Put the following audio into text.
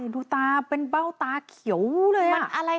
ดูเป้าตาเขียวเลยค่ะ